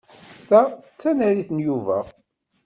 Ta d tanarit n Yuba.